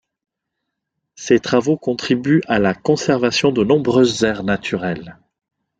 Ses travaux contribuent à la conservation de nombreuses aires naturelles.